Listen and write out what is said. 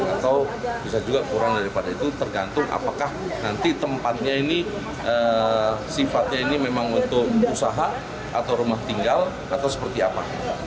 atau bisa juga kurang daripada itu tergantung apakah nanti tempatnya ini sifatnya ini memang untuk usaha atau rumah tinggal atau seperti apa